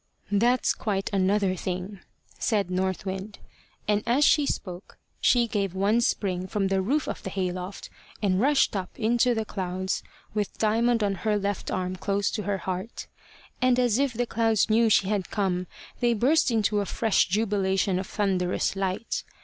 "That's quite another thing," said North Wind; and as she spoke she gave one spring from the roof of the hay loft, and rushed up into the clouds, with Diamond on her left arm close to her heart. And as if the clouds knew she had come, they burst into a fresh jubilation of thunderous light.